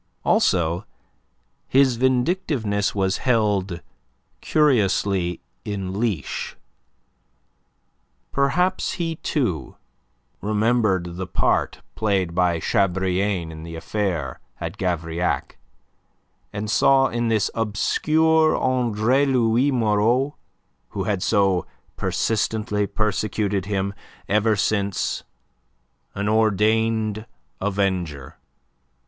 Also his vindictiveness was held curiously in leash. Perhaps he, too, remembered the part played by Chabrillane in the affair at Gavrillac, and saw in this obscure Andre Louis Moreau, who had so persistently persecuted him ever since, an ordained avenger.